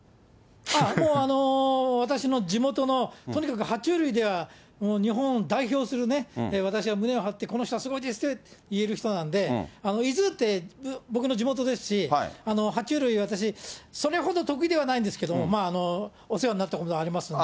もう私の地元のとにかくは虫類ではもう日本を代表する、私は胸を張ってこの人はすごいですよって言える人なので、伊豆って僕の地元ですし、は虫類、私、それほど得意ではないんですけども、お世話になったことありますんで。